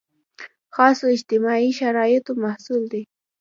خاصو اجتماعي شرایطو محصول دی.